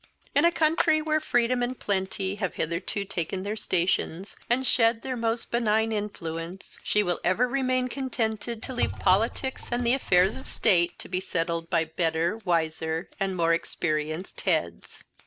In a country where freedom and plenty have hitherto taken their stations, and shed their most benign influence, she will ever remain contented to leave politics and the affairs of state to be settled by better, wiser, and more experienced heads.